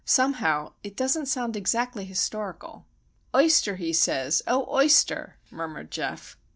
"Somehow it doesn't sound exactly historical." "'Oyster!' he says, 'O oyster!'" murmured Geof.